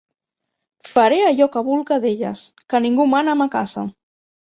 Faré allò que vulga d'elles, que ningú mana a ma casa.